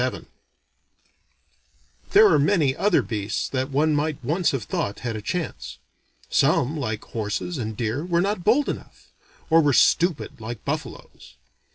VII There are many other beasts that one might once have thought had a chance. Some, like horses and deer, were not bold enough; or were stupid, like buffaloes.